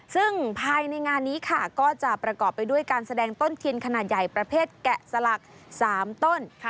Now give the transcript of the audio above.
ซึ่งภายในงานนี้ค่ะก็จะประกอบไปด้วยการแสดงต้นเทียนขนาดใหญ่ประเภทแกะสลัก๓ต้น